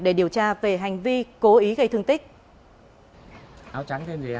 để điều tra về hành vi cố ý gây thương tích